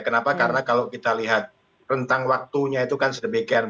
kenapa karena kalau kita lihat rentang waktunya itu kan sedemikian